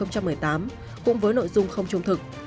cũng với nội dung không trung thực